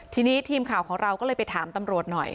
ทีนี้ทีมข่าวของเราก็เลยไปถามตำรวจหน่อย